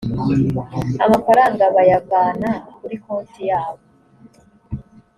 amafaranga bayavana kuri konti yabo